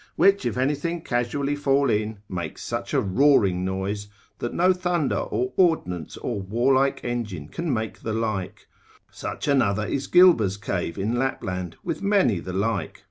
which if anything casually fall in, makes such a roaring noise, that no thunder, or ordnance, or warlike engine can make the like; such another is Gilber's Cave in Lapland, with many the like.